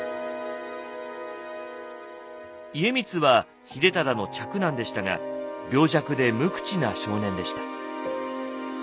家光は秀忠の嫡男でしたが病弱で無口な少年でした。